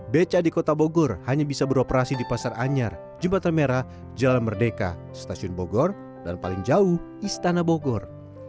beca di kota bogor hanya bisa beroperasi di pasar anyar jembatan merah jalan merdeka stasiun bogor dan paling jauh istana bogor